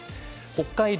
北海道